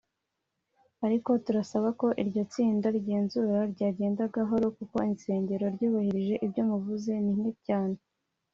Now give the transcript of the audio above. ariko turasaba ko iryo tsinda rigenzura ryagenda gahoro kuko insengero zubahirije ibyo muvuze ni nke cyane